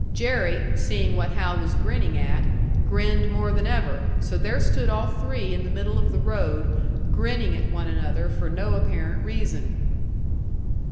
Jerry, seeing what Hal was grinning at, grinned more than ever; so there stood all three in the middle of the road, grinning at one another for no apparent reason.